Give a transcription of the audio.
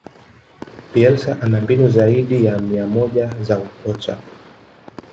bielsa ana mbinu zaidi ya mia moja za ukocha